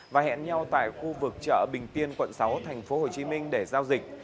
và hẹn nhau tại khu vực chợ bình tiên quận sáu tp hcm để giao dịch